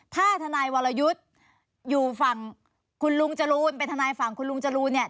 ถ้าทนายวรยุทธ์อยู่ฝั่งคุณลุงจรูนเป็นทนายฝั่งคุณลุงจรูนเนี่ย